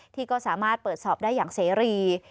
ที่ก็สามารถเปิดสอบได้อย่างเสรี